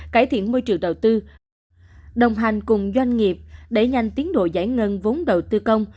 cải thiện môi trường đầu tư đồng hành cùng doanh nghiệp đẩy nhanh tiến độ giải ngân vốn đầu tư công